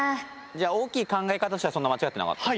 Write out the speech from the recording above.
じゃあ大きい考え方としてはそんな間違ってなかった？